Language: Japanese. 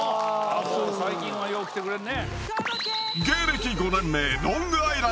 最近はよう来てくれるね。